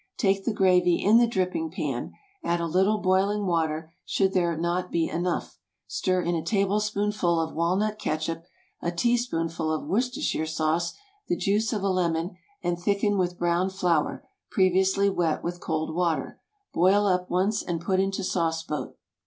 Take the gravy in the dripping pan—add a little boiling water should there not be enough—stir in a tablespoonful of walnut catsup, a teaspoonful of Worcestershire sauce, the juice of a lemon, and thicken with browned flour, previously wet with cold water. Boil up once and put into sauce boat.